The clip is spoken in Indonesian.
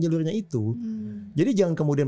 jalurnya itu jadi jangan kemudian